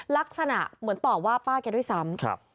ลักษณะเหมือนต่อว่าป้าแกด้วยซ้ำ